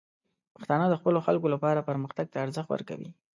پښتانه د خپلو خلکو لپاره پرمختګ ته ارزښت ورکوي.